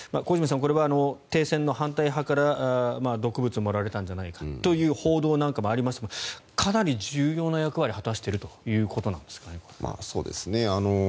小泉さんこれは停戦の反対派から毒物を盛られたんじゃないかという報道もありますがかなり重要な役割を果たしているということですかね。